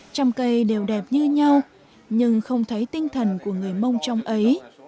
trăm cây đều đẹp như nhau nhưng không thấy tinh thần của người mông trong ấy